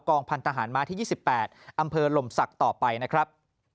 พันธหารม้าที่๒๘อำเภอหลมศักดิ์ต่อไปนะครับ